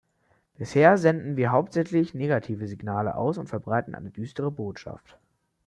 Bisher senden wir hauptsächlich negative Signale aus und verbreiten eine düstere Botschaft.